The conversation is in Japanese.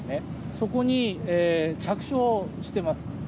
そこに着床しています。